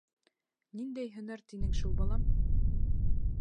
- Ниндәй һөнәр тинең шул, балам?